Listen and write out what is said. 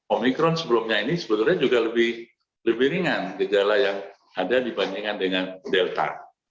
omikron sebelumnya ini sebetulnya juga lebih ringan gejala yang ada dibandingkan dengan delta